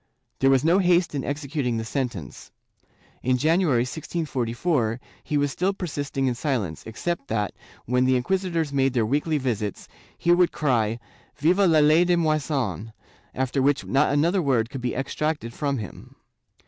There was no haste in executing the sentence. In January, 1644, he was still persisting in silence, except that, when the inquisitors made their weekly visits, he would cry "Viva la ley deMoisen," after which not another word could be extracted from him.